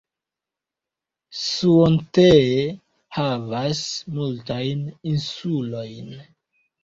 Suontee havas multajn insulojn.